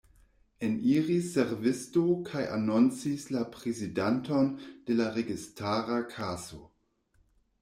Eniris servisto kaj anoncis la prezidanton de la registara kaso.